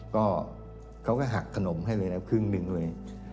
ก็เขาก็หักขนมให้เลยนะครึ่งหนึ่งเลย